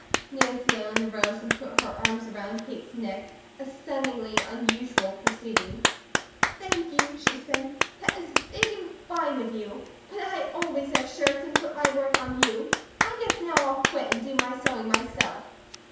Nancy Ellen arose and put her arms around Kate's neck, a stunningly unusual proceeding. "Thank you," she said. "That is big and fine of you. But I always have shirked and put my work on you; I guess now I'll quit, and do my sewing myself."